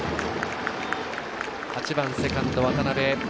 ８番セカンド、渡辺。